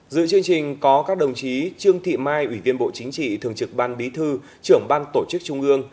dự chương trình có các đồng chí trương thị mai ủy viên bộ chính trị thường trực ban bí thư trưởng ban tổ chức trung ương